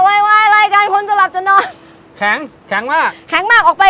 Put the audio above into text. วายอะไรกันคนจะหลับจะนอนแข็งแข็งมากแข็งมากออกไป